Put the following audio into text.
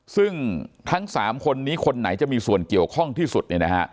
ซึ่งทั้ง๓คนนี้คนไหนจะมีส่วนเกี่ยวข้องที่สุดเนี่ยนะฮะ